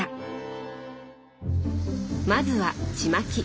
まずはちまき。